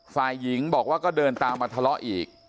ฝ่ายหญิงบอกว่าก็เดินตามมาทะเลาะอีก